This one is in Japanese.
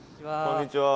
こんにちは。